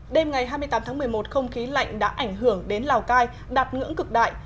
đêm ngày hai mươi tám tháng một mươi một không khí lạnh đã ảnh hưởng đến lào cai đạt ngưỡng cực đại